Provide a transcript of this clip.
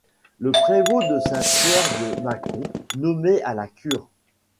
Le prévôt de Saint-Pierre de Mâcon nommait à la cure.